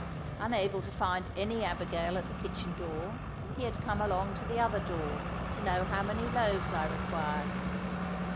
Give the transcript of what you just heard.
Unable to find any Abigail at the kitchen door, he had come along to the other door to know how many loaves I required.